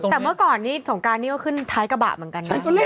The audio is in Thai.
แต่เมื่อก่อนนี้สงการนี้ก็ขึ้นท้ายกระบะเหมือนกันนะ